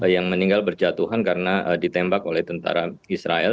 yang meninggal berjatuhan karena ditembak oleh tentara israel